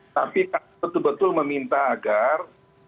tapi kami betul betul meminta agar